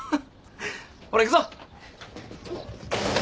ほら行くぞ。